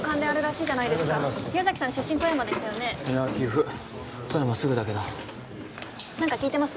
いや岐阜富山すぐだけど何か聞いてます？